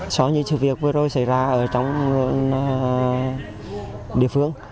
sau những sự việc vừa rồi xảy ra ở trong địa phương